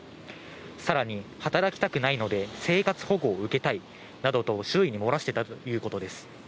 さらに、働きたくないので、生活保護を受けたいなどと周囲に漏らしていたということです。